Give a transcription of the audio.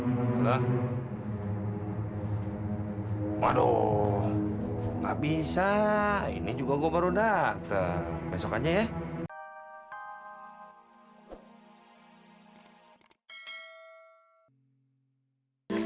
lho hai waduh tak bisa ini juga gua baru nangkep besok aja ya